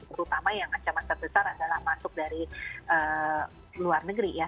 terutama yang ancaman terbesar adalah masuk dari luar negeri ya